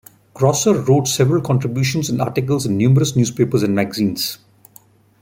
Krausser wrote several contributions and articles in numerous newspapers and magazines.